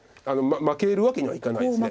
負けるわけにはいかないです。